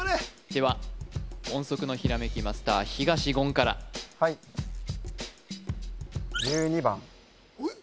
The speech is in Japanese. では音速のひらめきマスター東言からはいうえっ！？